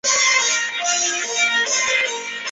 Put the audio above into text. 瑟雷人口变化图示